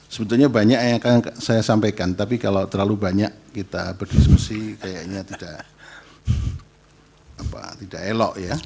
sebetulnya banyak yang akan saya sampaikan tapi kalau terlalu banyak kita berdiskusi kayaknya tidak elok ya